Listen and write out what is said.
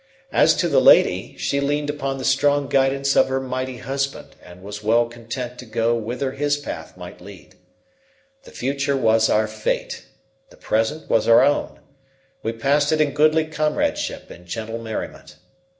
As to the lady, she leaned upon the strong guidance of her mighty husband and was well content to go whither his path might lead. The future was our fate. The present was our own. We passed it in goodly comradeship and gentle merriment.